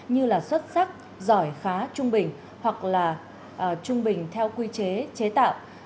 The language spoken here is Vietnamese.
như là xuất sắc giỏi khá trung bình hoặc là trung bình theo quy chế chế tạo